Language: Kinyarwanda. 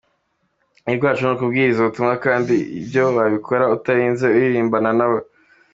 uruhare rwacu ni ukubwiriza ubutumwa kandi ibyo wabikora utarinze uririmbana nabo.